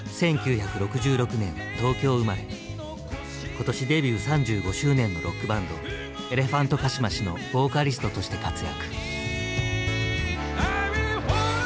今年デビュー３５周年のロックバンドエレファントカシマシのボーカリストとして活躍。